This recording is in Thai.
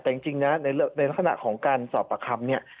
แต่จริงนะในลักษณะของการสอบประคำเนี่ย